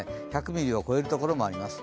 １００ミリを超えるところもあります